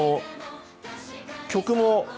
曲も。